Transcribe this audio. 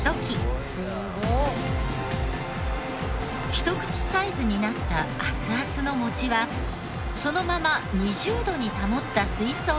ひと口サイズになった熱々の餅はそのまま２０度に保った水槽へダイブ！